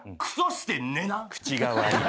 口が悪い。